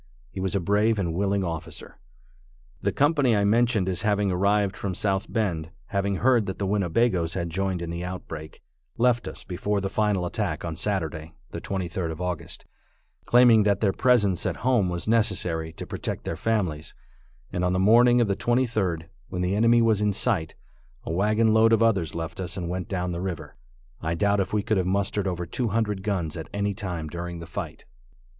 He was a brave and willing officer. The company I mentioned as having arrived from South Bend, having heard that the Winnebagoes had joined in the outbreak, left us before the final attack on Saturday, the 23d of August, claiming that their presence at home was necessary to protect their families, and on the morning of the 23d, when the enemy was in sight, a wagon load of others left us and went down the river. I doubt if we could have mustered over two hundred guns at any time during the fight.